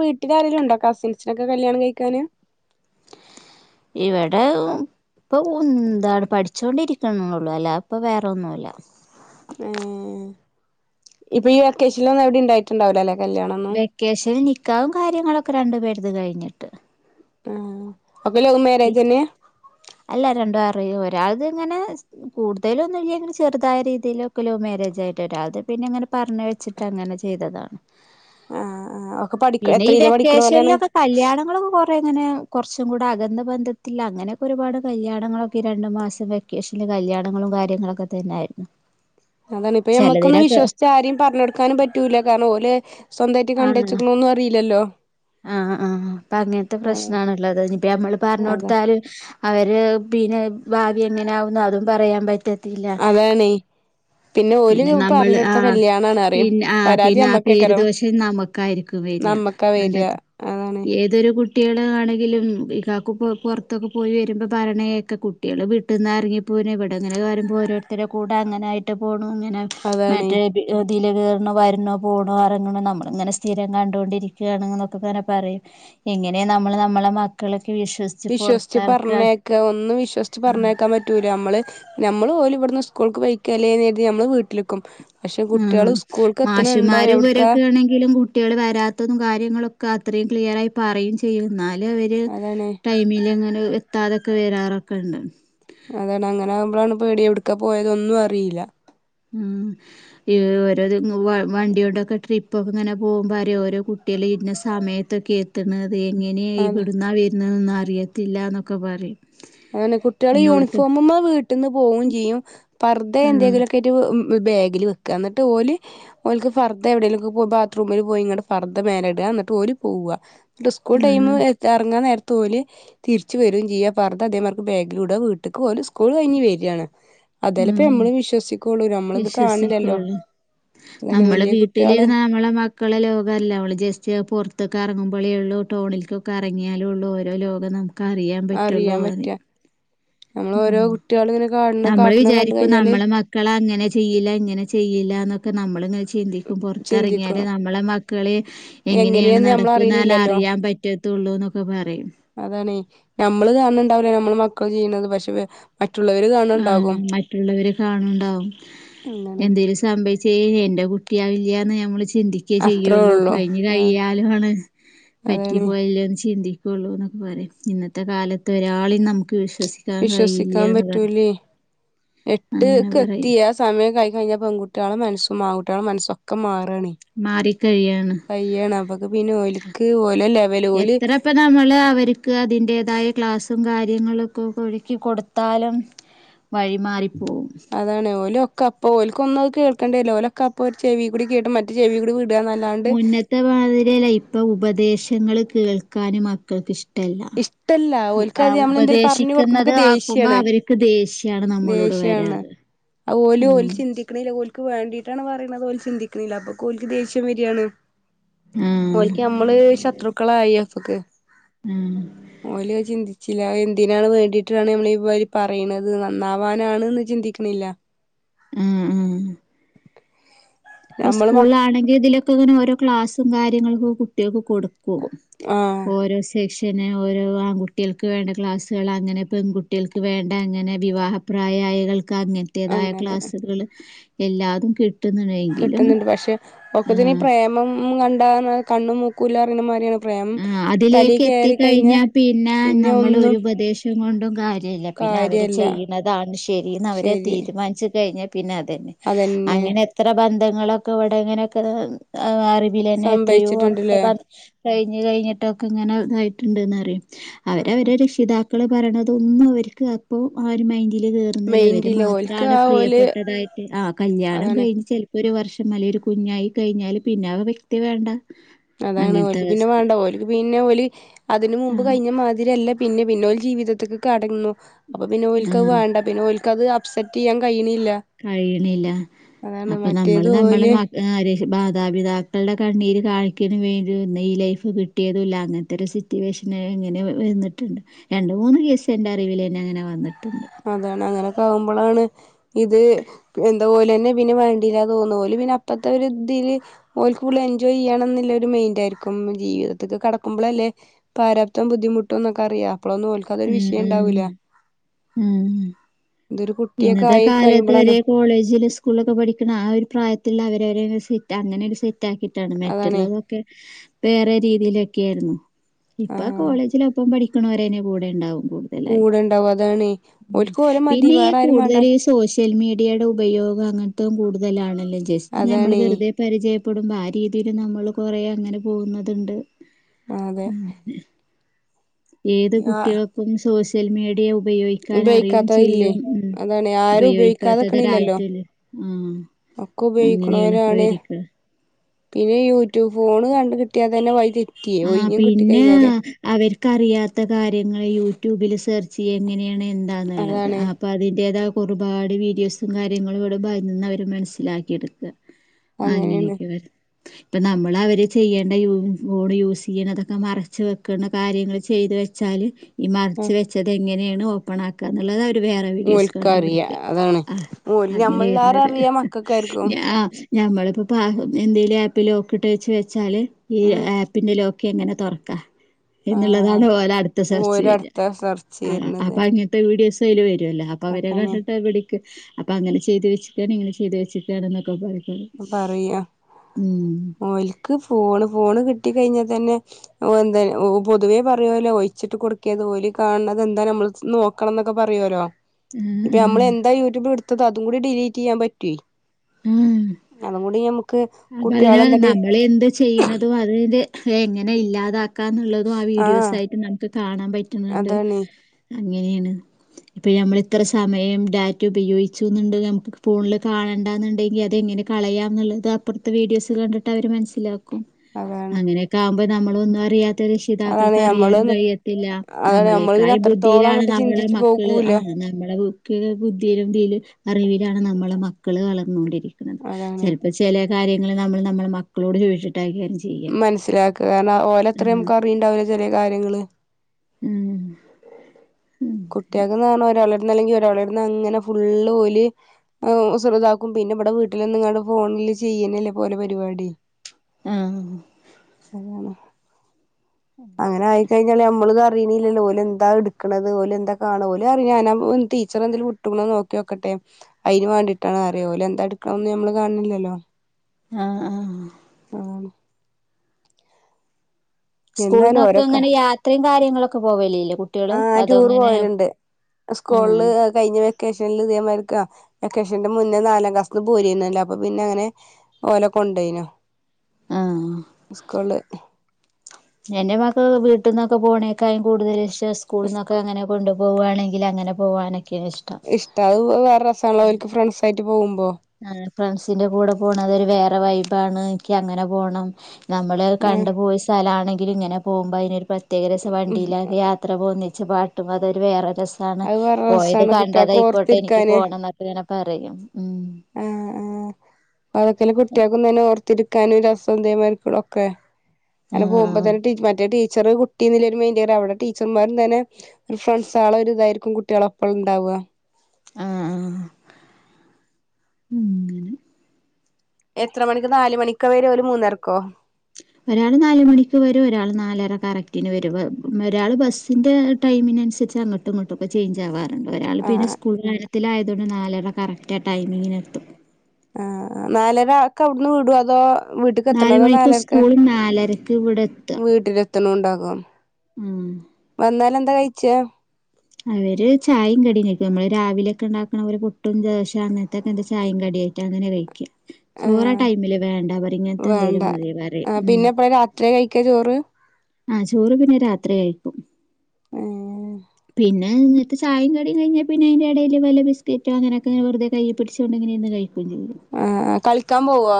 വീട്ടിലാരെലും ണ്ടോ കസിൻസിനൊക്കെ കല്യാണം കയിക്കാന്? ഇവിടെ ഉം ഇപ്പൊ ഒന്താണ് പഠിച്ചൊണ്ടിരിക്കണ്ള്ളു അല്ല ഇപ്പൊ വേറെന്നുല്ല ഏ ഇപ്പൊ ഈ വൊക്കേഷനിലൊന്നും എവിടിം ഇണ്ടായിട്ടുണ്ടാവൂലലേ? വെക്കേഷന് നിക്കാഹും കാര്യങ്ങളൊക്കെ രണ്ടു പേര്ത് കഴിഞ്ഞിട്ട് ആ ഒക്കെ ലവ് [unintelligible] മാരേജന്നെ ഒരാൾത് അങ്ങനെ കൂടുതലൊന്നും ഇല്ല്യ. ചെറുതായ രീതിയിലൊക്കെ ലവ് മാരേജ് ആയിട്ട് വരും അത് പിന്നെങ്ങനെ പറഞ്ഞ കേ ച്ചിട്ട് അങ്ങനെ ചെയ്തതാണ്. ആ ആ ഒക്കെ പഠിക്ക പിന്നെ ഈ എത്രയിലാ പഠിക്കണോരാണ് വെക്കേഷനിലൊക്കെ കല്യാണങ്ങള കൊറ ഇങ്ങനെ കുറച്ചും കൂടെ അക ബന്ധത്തില്ല അങ്ങനെയൊക്കെ ഒരുപാട് കല്യാങ്ങളൊക്കെ രണ്ടു മാസം വെക്കേഷില് കല്യാണങ്ങളും കാര്യങ്ങളുംക്കെ തന്നെയായിരുന്നു ഉം അതാണ് ഇപ്പൊ മ്മക്കൊന്നന്ന് വിശ്വസിച്ച് ആരെയും പറഞ്ഞ കൊടുക്കനും പറ്റൂല്ല കാരണംഓല സ്വന്തമായിട്ട് കണ്ടെ ഒന്നും അറിയില്ലല്ലോ ആ ആ അപ്പൊ അങ്ങനത്തെ ആ പ്രശ്നണുള്ളത്നി ഇപ്പ നമ്മള് പറഞ്ഞഞ് അതാ കൊടുത്താലും അവര് പിന്നെ ഭാവി എങ്ങനെയ ആകുന്നു അതും പറയാൻ പറ്റത്തി അതണെ പിന്നെ നമ്മള് ആ പറയും പിന്നെ ആ പരാതി പിന്നെ ആ നമ്മക്കേക്കാരം പേരുദോശം നമുക്കായിരിക്കും നമ്മക്കാ രിണ്ട വരിക അതാണ് ഏതൊരു കുട്ടികള ആണെങ്കിലും ഇൾക്ക് പുറത്തൊക്കെ പോയി വരുമ്പൾരണയൊക്കെ കുട്ടികൾ വീട്ടിൽ നിന്ന് ഇറങ്ങിപ്പോയിന ഇവിടെങ്ങനെ വരുമ്പോൾരോട്ട ത്തിടെ കൂടെ അങ്ങനൊയിട്ട് പോണു ഇങ്ങനെ അതാണേ മറ്റേ പുതിൽ കയറണ വരണോ പോകണോ അറങ്ങണോ നമ്മളിങ്ങനെ സ്ഥിരം കണ്ടൊണ്ടിരിക്കുകയാണ് എന്നൊക്കെങ്ങനെ പറയും എങ്ങനെ നമ്മള് നമ്മളെ മക്കൾ വിശ്വസിച്ച് പറഞ്ഞേക്ക ഒന്നും വിശ്വസിച്ച് പറഞ്ഞേക്കാൻ പറ്റൂല നമ്മള് നമ്മള് ഓല ഇവിടു സ്കൂൾക്ക് വൈക്ക അല്ലേ കെർത്തി ഞമ്മൾ വീട്ടിലെക്കും ആ മാഷിമാരും എവിടക്കാ വരൊക്കെ ആണെങ്കിലും കുട്ടികൾ വരാത്തതും കാര്യങ്ങളൊക്കെ അത്രയും ക്ലിയറായി പറയും ചെയ്യുന്നാൽ അവര് അതാണ് ടൈമിൽ അങ്ങനെ എത്താതൊക്കെ വരാറൊക്കെ ഉണ്ട് അതാണ് അങ്ങനെ ആകുമ്പോഴാണ് പേടി എവിടക്കാ പോയത ഒന്നും അറിയില്ല ഉ ഓരോ വണ്ടിയോണ്ടൊക്കെ ട്രിപ്പൊക്കെ ഇങ്ങനെ പോകുമ്പോ ആരേ ഓരോട്ട കുട്ടികള് ഇന്നെ സമയത്തൊക്കെ എത്തുന്നത് അത എങ്ങനെയാണ് അതെ ഇവിടുന്നാ വരുന്നതൊന്നും അറിയത്തില്ല എന്നൊക്കെ പറയും അങ്ങനെ കുട്ടികള് ഇന്നോടത്ത് യൂണിഫോമ്മ്മേ വീട്ടിൽന്ന് പോകും ചെയ്യും പർധെ ആഹ് എന്തെങ്കിലുമൊക്കെ ആയിട്ട് ബാഗിൽ വെക്കുക എന്നിട്ട് ഓലല്ഓക്ക് ഫർദ എവിടെെങ്കിലുംക്കെ പോ ബാത്റൂമിൽ പോയി ഇങ്ങട്ട് ഫർദ്ദ മേല ഇടുക എന്നിട്ട് ഓല പോ എന്ന സ്കൂൾ ടൈ ആഹ് ഇറങ്ങാൻ നേര ഓലെ തിരിച്ച വര ചെയ്യ പറ അതേമാർക്ക് ബാഗിലൂടെ വീട്ടക്ക് പോലും സ്കൂൾ കഴിഞ് വരികയാണ് അതേല ഇപ്പ ആഹ് നമ്മും വിശ്വസിക്കുള്ളു നമ്മള ഇത് കാണില്ലല്ലോ വിശ്വസിക്കുള്ളൂ അതാണ് നമ്മള് വലിയ കുട്ടികള് വീട്ടിലിരുുന്ന നമ്മളെ മക്കളെ ലോകമ അല്ല നമ്മള് ജസ്റ്റ് പുൊറത്തൊക്കെ ഇറങ്ങുമ്പോ മപളെ ഉള്ള ടൗണിലക്കൊക്കെ ഇറങ്ങിയാലും ഉള്ളൂ ഓരോ ലോകം നമുക്ക് അറിയാൻ പറ്റുള്ളു അറിയാൻ മതി പറ്റുക നമ്മൾ ഓരോ കുട്ടികൾ ഇങ്ങനെ കാണ് നമ്മള് കാട്ടണ കണ്ട് വിചാരിക്കും കഴിഞ്ഞാല് നമ്മളെ മക്കള അങ്ങനെ ചെയ്യില്ല ഇങ്ങനെ ചെയ്യില്ല എന്നൊക്കെ ക്ക നമ്മള് ച്ചി ചിന്തിക്കും ചിന്തിക്കും പുറത്തിറങ്ങിയാല് നമ്മളെ മക്കള് എങ്ങനെയാണ് എങ്ങനെയാന്ന് നമ്മൾ നടപ്പ എന്നാല അറിയണില്ലല്ലോ അറിയാൻ പറ്റത്ത ള്ളൂ എന്നൊക്കെ പറയും അതാണ നമ്മള് കാണുണ്ടാവില്ലേ നമ്മള് മക്കൾ ചെയ്യണുന്നത് പക്ഷെ മറ്റുള്ളവര് ആ കാണുന്നുണ്ടാകും മറ്റുള്ളവര് കാണണ്ടാവും എന്താണ് എന്തെിലും സംഭവിച്ച കുട്ടിയാവില്ലന്ന് നമ്മ [unintelligible] ചിന്തിക്കേ അത്രേ ചെയ്യുള്ളൂ ഉള്ളു കഴിഞ്ഞഞ് ആഹ് കഴിയാലും ആണ് അതാണ് പറ്റിപ്പോയല്ലന്ന് ചിന്തി ള്ളൂ എന്നൊക്കെ പറം ഇന്നത്തെ കാലത്ത് ഒരാള നമുക്ക് വിശ്വസിക്കാൻ കഴിയില്ലന്ന് പറയും എട്ട് അങ്ങനെ പറയും കെത്തിയാ സമയം കഴ കഴിഞ്ഞാ പെൺകുട്ടികളും മനസ്സ ആകുട്ടികളും മനസ്സൊക്കെ മാറി മാറിക്കഴിയാണ് കയാണ് അൊ പിന്നെ ഓലക്ക് ഓല ലെവല ഓല് എത്രപ്പ നമ്മള് അവർക്ക് അതിന്റേതായ ക്ലാസും കാര്യം കാര്യങ്ങളൊക്കെ ഒരുക്കി കൊടുക്ക് കൊടുത്തലും വഴിമാറി അതാണ് ഓലൊക്ക അപ്പൊ ഓലക്ക് ഒന്നുംത് കേൾക്കണ്ടേല്ല ഓലൊക്കെപ്പൊ ഒരു ചെവി കൂടി കേട്ട് മറ്റ ചെവി കൂടി വിടുകാന്നല്ലാണ്ട് മുന്നതമാതൃയല്ല ഇപ്പ ഉപദേശങ്ങൾ കേൾക്കാനും മക്കൾക്ക് ഇഷ്ട ഇഷ്ടല്ല ഓൽക്കത് നമ്മള് എന്തേലും പറഞ്ഞു കൊടുക്കുമ്പോക്കെ ഉപദേശിക്കുന്നത് ആക്കുമ്പോ ദേഷ്യാണ് അവർക്ക് ദേഷ്യാണ് നമ്മളോട് വരാറ് ഓൽ ഓൽ ഉം ചിന്തിക്കണില്ലല ക്ക് വേണ്ടിയിട്ടാണ് പറയുന്നത് ചിന്തിക്കുന്നില്ല അപ്പൊ കോലിക്ക് ദേഷ്യം വരികയാണ് ആഹ് ഓൽക്ക് നമ്മള് ശത്രുക്കളായി അപ്പൊക്ക്. ആഹ് ഓലോ ചിന്തിച്ചില്ല എന്ത് ഇതിനാണ് വേണ്ടിട്ടാണ് നമ്മൾ ഈ വി പറയണുന്നത് നന്നാവാനാണ്ന്ന് ചിന്തിക്കുന്നില്ല. ഉം ഉം. ഇപ്പൊ നമ്മള് മക്ക സ്കൂളാണെങ്കിൽ ഇതിലൊക്കെ ഇങ്ങനെഓരോ ക്ലാസും കാര്യങ്ങൾക്കും കുട്ടികൾ കൊടുക്കും ആഹ് ഓരോ പിന്നെ ഓരോ ആൺകുട്ടികൾക്ക് വേണ്ട ക്ലാസ്സുകൾ അങ്ങനെ പെൺകുട്ടികൾക്ക് വേണ്ട അങ്ങനെ വിവാഹപ്രായ അങ്ങനത്തേതായ അങ്ങനെ ക്ലാസ്സുകൾ എല്ലാതും കിട്ടുന്നു കിട്ടുന്നുണ്ട് പക്ഷെ ഒക്കത്തിന് ഈ പ്രേമം കണ്ടാ കണ്ണും മൂക്കൂല്ല അറിയുന്ന മാതിരിയാണ് പ്രേമം ആ തലേ അതിലേക്ക് കയറി കഴിഞ്ഞ എത്തിക്കഴിഞ്ഞാ പിന്നെ നമ്മളൊരു ഉപദേശം കൊണ്ടും കാര്യമില്ല പിന്നെ അവർ കാര്യല്ല ചെയ്യുന്നതാണ് ശരിന്ന് അവരെ ശരി തീരുമാനിച്ചു കഴിഞ്ഞാൽ പിന്നെ അതന്നെ അതന്നെ അങ്ങനെ എത്ര ബന്ധങ്ങളൊക്കെ ഇവിടെങ്ങനെയൊക്കെ അറിവിൽന്നെ എത്രയോ സംഭവിച്ചിട്ടുണ്ടല്ലേ അങ്ങനത്തെ കഴിഞ്ഞ് കഴിഞ്ഞിട്ടൊക്കെ ഇങ്ങനെ ഇതായിട്ടുണ്ട്ന്ന് അറിയോ അവര അവരെ രക്ഷിത മക്കള് പറയണത ഒന്നും അവർക്ക് അപ്പോ ആ ഒരു മൈൻഡ ൽ കേറുന്നില്ല അവര് മെയിന്റില്ല ഓൽക്ക് മാത്രമാണ് ആ ഓല് പ്രിയപ്പെട്ടതായിട്ട് ആ കല്യാണം അതാണ് കഴിഞ്ഞ് ച ഒരു വർഷം അല്ലെങ്കി ഒരു കുഞ്ഞായി കഴിഞ്ഞാല് പിന്നെ ആ വ്യക്തി വേണ്ട. അതാണ് അങ്ങനത്തെ ഓലക്ക് പിന്നെ അവസ്ഥ. വേണ്ട ഓക്ക് പിന്നെ ഓല് അതിന് മുമ്പ് ആഹ് കഴിഞ്ഞ മാതിരില്ല പിന്നെ പിന്നോൽ ജീവിതത്തേക്ക് കടന്നുന അപ്പൊ പിന്നോലക്ക്ത് ആഹ് വേണ്ട പിന്നോലക്ക് അത് അപ്സെറ്റ് ചെയ്യാൻ കഴി കഴിയണില്ല അപ്പൊ നമ്മള് മറ്റേത് നമ്മള ഓല് ആ മാതാപിതാക്കളുടെ കണ്ണീര് കാണിക്കൻ വേണ്ടി ഒന്ന് ഈ ലൈഫ് കിട്ടിയതല്ല അങ്ങനത്തെ ഒരു സിറ്റുവേഷൻ എങ്ങനെ വന്നിട്ടുണ്ട് രണ്ട് മൂന്ന് കേസ എന്റെ അറിവിൽ തന്നെ അങ്ങനെ വന്നിട്ടുണ്ട്. അതാണ് അങ്ങനെയൊക്കെ ആകുമ്പോളാണ് ഇത് എന്താ ഓലെന്നെ പിന്നെ വേണ്ടല്ലാ തോന്നും അപ്പത്തെ ഇതില് ഓക്ക് എൻജോയ് ചെയ്യാണെന്നുള്ള ഒരു മൈൻഡ് ആയിരിക്കും ജീവിതത്തിക്ക് കട നമ്മളല്ലേ പാരാപ്തം ബുദ്ധിമുട്ടും എന്നൊക്കെ അറിയാം അപ്പോളൊന്നും നോൽക്കാത്തൊ ഒരു ഉം വിഷയം ഉണ്ടാവൂല. ഉം ഉം ഇന്നത്തെ ആയി കാലത്ത് കഴിയുമ്പോളാണ് ഒരേ കോളേജില് സ്കൂളിലൊക്കെ പഠിക്കണ ആ ഒരു പ്രായത്തില് അവരെ സെറ്റ് അങ്ങനെരു സെറ്റ് ആക്കിയിട്ടാണ് അതാണേ മറ്റുള്ളതൊക്കെ വേറെ രീതിയിലൊക്കെ ആയിരുന്നു. ഇപ്പ ആഹ് കോളേജില് ഒപ്പം പഠിക്കണവര് തന്നെ കൂടെ ഉണ്ടാവും. കൂടുതലായി കൂടെണ്ടാവും അതാണ് ഉം ഓൽക്ക് ഒരേ മതി പിന്നെ ഈ വേറെ ആരും വേണ്ട കൂടുതൽ ഈ സോഷ്യൽ മീഡിയയുടെ ഉപയോഗം അങ്ങനത്തും കൂടുതലാണല്ലോ. ജസ്റ്റ് നമ്മള് അതാണേ വെറുതെ പരിചയപ്പെടുമ്പോ ആ രീതിൽ നമ്മള് കൊറെ അങ്ങനെ പോകുന്നതുണ്ട്. അതെ ഏത് ആഹ് കുട്ടികൾക്കും സോഷ്യൽ മീഡിയ ഉപയോഗിക്കാൻ അറിയും ഉപയോഗിക്കാത്തതില്ലേ ചെയ്യും ഉം അതാണ് ആരും ഉപയോഗിക്കാതെക്കണില്ലല്ലോ ഉപയോഗിക്കാത്തവരായിട്ട് ആ. ഒക്കെ അങ്ങനെയാണ് ഉപയോഗിക്കണോരാണ് കാര്യങ്ങൾ പിന്നെ യൂട്യൂബ് ഫോണ് കണ്ട് കിട്ടിയാതന്നെ വ ആ പിന്നെ അവർക്കറിയാത്ത കാര്യങ്ങൾ യൂട്യൂബിൽ സെർച്ച് ച്ചി എങ്ങനെയാണ് എന്താെന്നുള്ളത് അതാണ് അപ്പം അതിൻ്റേതാ ഒരുപാട് വീഡിയോസും കാര്യങ്ങളും ഇവിടെ നിന്ന് അവർ മനസ്സിലാക്കിയെടുക്കുക. അങ്ങനെയാണ് അങ്ങനെയൊക്കെ ഇപ്പൊ നമ്മൾ അവര് ചെയ്യേണ്ട ഫോൺ യൂസ് ചെയ്യണ അതൊക്കെ മറച്ച് വെക്കണ കാര്യങ്ങൾ ചെയ്തു വെച്ചാല് ഈ മറച്ച് ആഹ് വെച്ചത് ഇങ്ങനെയാണ് ഓപ്പൺ ആക്കുക എന്നുള്ളത് വേറെ വീഡിയോസ് കണ്ട് ഓൽക്കറിയാ പടിക്കുക അതാണ് ആ ഓല് അങ്ങനെ നമ്മളേറെ വരുന്നത് അറിയാ മക്കൾക്കായിരിക്കും ഞ ഞമ്മളിപ്പോ പ എന്തേലും ആപ്പ് ലോക്കിട്ട് വെച്ച് വെച്ചാല് ഈ ഉം ആപ്പ് അതിലൊക്കെ എങ്ങനെ തുറക്കാ ആഹ് എന്നുള്ളതാണ് ഓലെ അടുത്ത സെർച്ച് വരുക ഓരടുത്താ സെർച്ച് ആ ചെയ്യണത് അപ്പൊ അങ്ങനത്തെ വീഡിയോസ് അതിൽ വര അപ്പൊ അവരെ അതാണ് കണ്ടിട്ട് പിടിക്ക അപ്പൊ അങ്ങനെ ചെയ്ത് വെച്ചക്കാണ് ഇങ്ങനെ ചെയ്ത് വെച്ചക്കുകയാണ എന്നൊക്കെ പറയ പറയാ ഓൽക്ക് ഫോണ് ഫോണ് കിട്ടി കഴിഞ്ഞ തന്നെ പൊതുവേ പറയുവല്ലോ ഒളിച്ചിട്ട് കൊടുക്കരുത് ഓല് കാണുന്നത് എന്താ നമ്മള് ചെന്ന് നോ നോക്കണം എന്നൊക്കെ പറയല്ലോ ആ ഇപ്പൊ നമ്മള് എന്താ യൂട്യൂബിൽ എടുത്തത് അതും കൂടി ഡിലീറ്റ് ചെയ്യാൻ പറ്റുവെ. ആ അപ്പൊ അതിന് കുട്ടികളെന്താടി നമ്മൾ എന്ത് ചെയ്യണതും അതിന്റെ എങ്ങനെ ഇല്ലാതാക്കാ എന്നുള്ളതും ആ ആഹ് വീഡിയോസയിട്ട് നമുക്ക് കാണാൻ പറ്റുന്നുണ്ട് അതാണ് അങ്ങനെയാണ് ഇപ്പൊ ഞമ്മൾ ഇത്ര സമയം ഡാറ്റ ഉപയോഗിച്ചുന്നണ്ട് നമുക്ക് ഫോണില് കാണാ ഉണ്ടാുണ്ടങ്കിൽ അത്െങ്ങനെ കളയാം എന്നുള്ളത് അപ്പുറത്ത് വീഡിയോസ് കണ്ടിട്ട് അവർ മനസ്സിലാക്കും അതാണ് അങ്ങനെയൊക്കെ ആകുമ്പോ നമ്മളൊന്നും അറിയാ ഇപ്പോത്തെ അതാണ് രക്ഷിതാക്കൾക്ക് ഞമ്മള് അറിയാനും കഴിയത്തില്ല അതാണ് നമ്മള് പിന്നെ നമ്മളേക്കായും അത്രത്തോളം ബുദ്ധിയിലാണ് അങ്ങട്ട് നമ്മളെ ചിന്തിച്ചു മക്കള് പോകൂല ആ നമ്മള ബുദ്ധിതി അറിവിലാണ് നമ്മളുടെ മക്കള് വളർന്നൊണ്ടിരിക്കുന്നത് അതാണ് ചിലപ്പോ ചില കാര്യങ്ങൾ നമ്മൾ നമ്മളെ മക്കളോട് ചോദിച്ചിട്ട് മനസ്സിലാക്കുക കാരണം ഓലത്ര ഉം നമുക്ക് അറിണ്ടാവില്ല ചില കാര്യങ്ങള് ഉം കുട്ടിയാക്ന്ന്പറഞ്ഞ ഒരാളട്ന്ന് അല്ലെങ്കിൽ ഒരാളടുന്ന് അങ്ങനെ ഫുള്ള് ഓല് [unintelligible] താക്കും പിന്നെ ഇവിടെ വീട്ടിൽനിന്നുങ്ങണ്ട് ഫോണില് ചെയ്യുന്നല്ലേ ഓല്ടെ പരിപാടി ആ അങ്ങനെ ആയിക്കഴിഞ്ഞാല് നമ്മള്ത് അറിയണില്ലല്ലോ ഓല് എന്താ എടുക്കണത് ഓലെന്താ കാണാ ഓലപറയും ഞൻ ടീച്ചറെ എന്തേലും വിട്ടണോന്ന് നോക്കി നോക്കട്ടെ അയിൻവണ്ടിട്ടാണ് ഓല് എന്താ എടുക്കണംന്ന് നമ്മള് കാണില്ലല്ലോ ആ ആ ആഹ സ്കൂള്ന്നക്കെ ഇങ്ങനെ യാത്രയും കാര്യങ്ങളൊക്കെ പോവലില്ലേ കുട്ടികള് ആഹ അതോ ടൂർ ഇങ്ങനെ പോയലുണ്ട് സ്കൂളില് ആഹ് കഴിഞ്ഞ വെക്കേഷനിൽ ഇതേമാരിക് വെക്കേഷന്റെ മുന്നേ നാലാം ക്ലാസ്സിന്ന് പോരിന്നലോ അപ്പൊ പിന്നെ അങ്ങനെ ഓലെ കൊണ്ടേയിനു ആഹ് സ്കൂള് എന്റെ മക്കളൊക്കെ വീട്ടിന്നൊക്കെ പോണേക്കായും കൂടുതൽ ഇഷ്ട്ടം സ്കൂളിൽന്നൊക്കെ അങ്ങനെ കൊണ്ടു പോകുകവാണെങ്കിൽ അങ്ങനെ പോകാനൊക്കെ ഇഷ്ടം അത് വേറെ രസനലോ അവലക്ക് ഫ്രണ്ട്സ ആയിട്ട് പോകുമ്പോ ആ ഫ്രണ്ട്സിന്റെ കൂടെ പോണം അതൊരു വേറെ വൈബാണ് എനിക്ക് അങ്ങനെ പോണം നമ്മള് ആഹ് കണ്ടു പോയ സ്ഥലമാണെങ്കിലും ഇങ്ങനെ പോകുമ്പോ അതിനൊരു പ്രത്യേക രസ ഉം വണ്ടിയിഒക്കെ യാത്ര പോകുന്ന പാട്ടും അതൊരു വേറെ രസമാണ് അത് വേറെ പോയത് രസാണ് കുട്ടികൾക്ക് കണ്ടതായിക്കോട്ടെ എനിക്ക് ഓർത്തിരിക്കാന് പോകണം എന്നൊക്കെ പറയും ഉം ആഹ് ആ അ അതൊക്കെല്ല കുട്ടികക്കും തന്നെ ഓർത്തിരിക്കാനും ഒരു രസ [unintelligible] ഒക്കെ അങ്ങനെ ആഹ് പോകുമ്പോ ആഹ് തന്നെ മറ്റേ ടി ടീച്ചർ കുട്ടി മൈൻറ്റല്ല അവിടെ ടച്ചർമാരും തന്നെ ഒരു ഫ്രണ്ട്സ് ആള ഒരു ഇതായിരിക്കും കുട്ടികളെപ്പോൾ ഉണ്ടാവാ വ ആഹ ആഹ ഉങ്ങനെ എത്ര മണിക്ക് നാല് മണിക്കവരെ ഓല് മൂന്നരക്കോ ഒരാൾ നാല മണിക്ക് വരും ഒരാൾ നാലര കറക്റ്റന് വരും ഒരാൾ ബസിന്റെ ടൈമിന് അനുസരിച്ച് അങ്ങട്ടുംങ്ങട്ടൊക്കെചേഞ്ച് ആവാർ ഒരാൾ പിന്നെ ആഹ് സ്കൂൾ കാര്യത്തിൽ ആയത് കൊണ്ട് നാലര കറക്റ്റ് ടൈമിങ്ങിന് എത്തും ആ നാലര ഒക്കെ അവിടുന്ന് വിടും അതോ വീട്ട്ക്ക് നാല് എത്തണതോ മണിക്ക് നാലർക്ക് സ്കൂളും നാലരക്ക് ഇവിടെ എത്തുക വീട്ടിൽ എത്തണും ഉണ്ടാകും ഉം. വന്നാല എന്താ കഴിച്ച അവര് ചായയും കടക്കും നമ്മള് രാവിലെയൊക്കെ ഉണ്ടാക്കണ പോലെ പൊട്ടും ദോശം അങ്ങനത്തെൊക്കെ ചായ കടിം [unintelligible] അ ങ്ങനെ കഴിക്കാ ചോറാ ആഹ് ടൈമില് വേണ്ട അവർ ഇങ്ങനത്തെ വേണ്ട എന്തേലും മതി പറിം ഉ ഒക്കെ ചോറ് ആ ചോറ് പിന്നെ രാത്രി കഴിക്കും ആഹ് പിന്നെ എന്നിട്ട് ചായം കടിം കഴിഞ്ഞാ പിന്നെയിന്റെ ഇടയില് വല്ലബിസ്ക്കറ്റോ അങ്ങനെക്കെ വെറ്തെ കയ്യ് പിടിച്ചോണ്ടി ഇങ്ങനെയിരിന്നു കഴിക്കും ആ കളിക്കാൻ പോവോ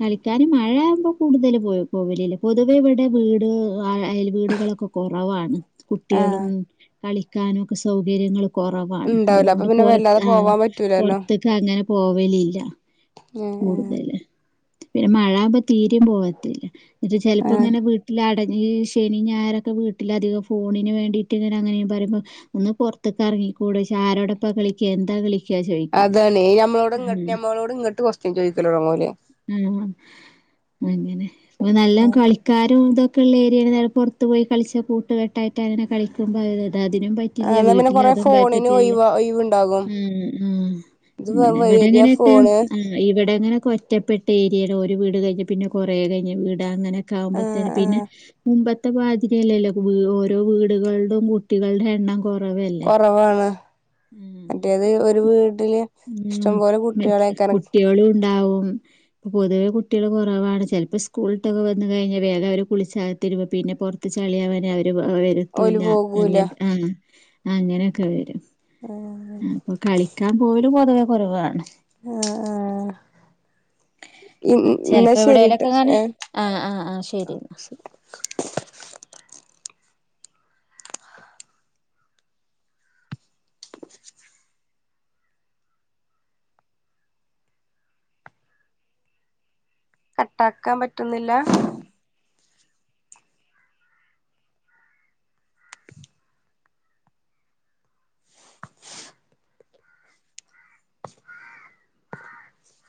കളിക്കൻ മഴയാകുമ്പോ കൂടുതൽ പോയി പോവലില്ല പൊതുവെ ഇവിടെ വീട് അ അയൽവീടുകള് ഒക്ക കെറവാണ് ആഹ് കുട്ടികളും കളിക്കാനൊക്കെ സൗകര്യങ്ങളും കുറവാണ് ഇണ്ടാവൂല അപ്പൊ അതുകൊണ്ട് പിന്നെ പുറ വല്ലാതെ അ പോവാൻ പറ്റൂലല്ലോ പുറത്തക്ക് അങ്ങനെ പോവലില്ല ഉം ഉം കൂടുതല് പിന്നെ മഴ ആകുമ്പ തീരയും പോവാത്തില്ല ഇജ് ചെലപ്പോ ഇങ്ങനെ വീട്ടിലട ഈ ശനി ഞായറൊക്കെ വീട്ടിലധികം ഫോണിന് വേണ്ടിയിട്ട് ഇങ്ങനെ അങ്ങനെയ പറയ്മ്പൊ ഒന്ന് പുറത്തൊക്കെ ഇറങ്ങി കൂടെ ഇജ് ആരോടൊപ്പ കളിക്യാ എന്താ കളി? അതാണ് ഞമ്മളോട് ഇങ്ങട്ട് ഞമ്മളോട് ഇങ്ങോട്ട് കൊസ്ടിയൻ ചോദിക്കണ് [unintelligible] ആഹ് അങ്ങനെ നല്ല കളിക്കാരും ഇതൊ പിള്ളേര് ഇന്നലെ പുറത്ത് പോയി കളിച്ച് കൂട്ടുകെട്ടായിട്ട് അതിനെ കളിക്കുമ്പോൾത് അത് അതിനും ആഹ് പറ്റില്ല എന്നാ പിന്നെ വീട്ടിൽ കൊറേ അതും ഫോണിന് പറ്റത്തില്ല ഒഴിവ് ഒഴിവുണ്ടാകും ആ ആ ഇത് അങ്ങനെ അവിടെ വരിയാ എങ്ങനെയൊക്കെ ഫോണ് ആ ഇവിടെങ്ങനെ ഒറ്റപ്പെട്ട ഏരിയാണ് ഒരു വീട് കഴിഞ്ഞ് പിന്നെ കുറേ കഴിഞ്ഞ് വീടാ അങ്ങനെ കാമ്പത്തേ ആഹ് പിന്നെ ആഹ് മുമ്പ് ബാധ്യയല്ലല്ലോ ഓരോ വീടുകളടും കുട്ടികളുടെ എണ്ണം കൊറവല്ലേ കുറവാണ് ഉം മറ്റേത് ഒരു വീട് ഉം കുട്ടികളും ഉണ്ടാവും പൊതുവെ കുട്ടികൾ കുറവാണ് ചെൽപോ സ്കൂൾ വിട്ട് വന്ന് കഴിഞ്ഞാൽ വേഗം അവര് കുളിച്ച് അകത്ത് കേറും പിന്നെ പുറത്ത് ചളി യവൻ അവരെ അവര് ഓല് വരുത്തൂല്ല പോകൂല അങ്ങനെ ആ അങ്ങനെയൊക്കെ വരും അപ്പൊ കളിക്കാൻ പോവലും പൊതുവെ കൊറവാണ് ആ ആ എന്ന ചെലപ്പോ ശരിട്ടാ എവിടേലൊക്കെങ്ങനെ ഏ ആഹ് ആഹ് ആഹ് അ ശരി. ശെരി കട്ടാക്കാൻ പറ്റുന്നില്ല? [inaudible]